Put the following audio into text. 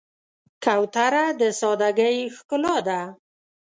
کوتره د سادګۍ ښکلا ده.